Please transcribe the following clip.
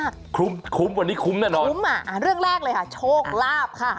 คุ้มคุ้มกว่านี้คุ้มแน่นอนคุ้มอ่ะอ่าเรื่องแรกเลยค่ะโชคลาภค่ะ